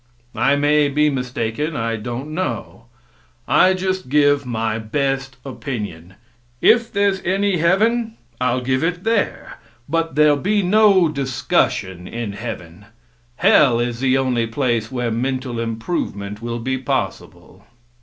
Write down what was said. I may be mistaken; I don't know. I just give my best opinion. If there's any heaven, I'll give it there. But there'll be no discussion in heaven. Hell is the only place where mental improvement will be possible.